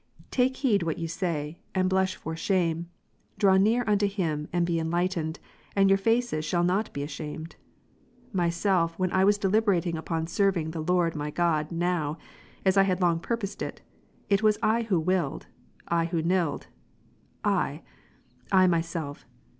Take heed what you say, and blush for shame : draiv near unto Ps. 34, 5. Him and be enlightened, and your faces shall not be ashamed. Myself when I was deliberating upon serving the Lord my God now, as I had long purposed, it was I who willed, I who nilled, 1,1 myself.